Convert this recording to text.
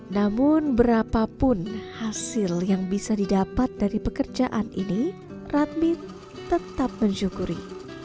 namun berapapun hasil yang bisa didapat dari pekerjaan ini radmin tetap mensyukuri